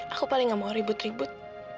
aku paling gak mau ribut ribut